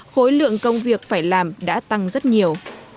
khối lượng công việc phải làm đã tăng rất nhiều